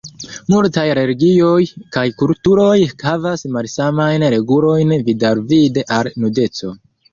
Multaj religioj kaj kulturoj havas malsamajn regulojn vidalvide al nudeco.